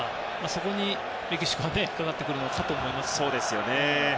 そこにメキシコはかかってくるのかと思います。